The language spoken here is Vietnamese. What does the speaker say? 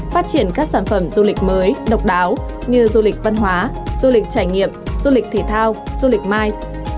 phát triển các sản phẩm du lịch mới độc đáo như du lịch văn hóa du lịch trải nghiệm du lịch thể thao du lịch mice